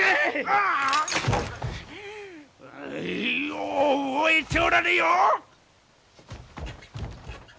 よう覚えておられよ！